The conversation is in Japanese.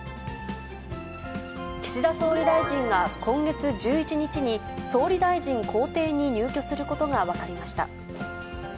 岸田総理大臣が今月１１日に総理大臣公邸に入居することが分かりました。